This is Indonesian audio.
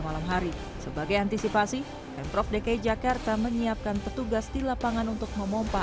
malam hari sebagai antisipasi dan prof dki jakarta menyiapkan petugas di lapangan untuk memompa